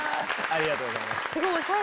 ありがとうございます。